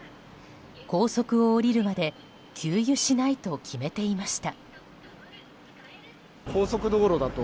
高速を降りるまで給油しないと決めていました。